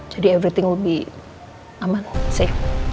jadi everything lebih aman safe